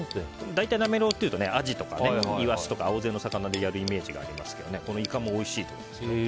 大体なめろうっていうとアジとかイワシの青魚でやるイメージがありますがイカもおいしいと思います。